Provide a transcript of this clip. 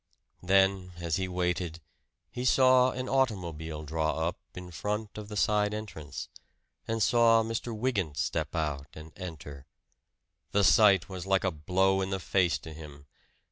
Then, as he waited, he saw an automobile draw up in front of the side entrance, and saw Mr. Wygant step out and enter. The sight was like a blow in the face to him.